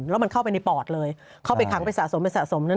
แล้วมันเข้าไปในปอดเลยเข้าไปขังไปสะสม